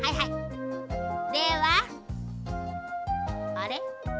あれ？